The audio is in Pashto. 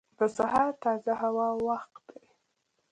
• سهار د تازه هوا وخت دی.